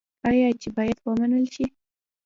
آیا چې باید ومنل شي؟